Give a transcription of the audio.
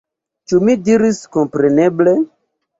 Ĉu mi diris kompreneble?